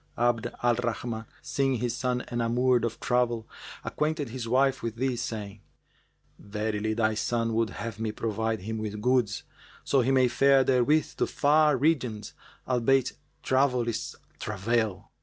Abd al Rahman, seeing his son enamoured of travel, acquainted his wife with this, saying, "Verily thy son would have me provide him with goods, so he may fare therewith to far regions, albeit Travel is Travail."